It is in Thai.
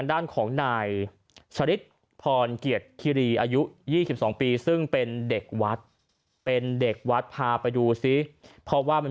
อายุ๒๒ปีซึ่งเป็นเด็กวัดเป็นเด็กวัดพาไปดูซิเพราะว่ามัน